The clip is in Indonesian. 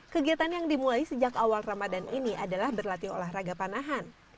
kegiatan yang dimulai sejak awal ramadan ini adalah berlatih olahraga panahan